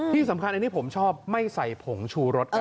ที่สำคัญอันนี้ผมชอบไม่ใส่ผงชูรสครับ